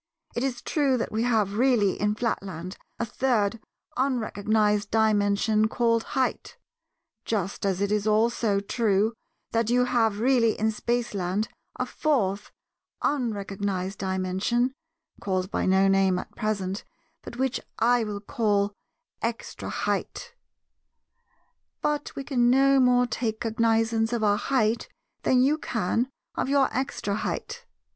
It is true that we have really in Flatland a Third unrecognized Dimension called 'height,' just as it also is true that you have really in Spaceland a Fourth unrecognized Dimension, called by no name at present, but which I will call 'extra height.' But we can no more take cognizance of our 'height' than you can of your 'extra height.